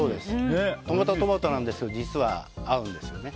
トマト、トマトなんですが実は合うんですよね。